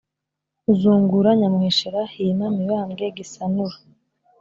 uzungura nyamuheshera; hima mibambwe gisanura